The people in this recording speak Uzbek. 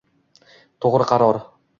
To'g'ri qaror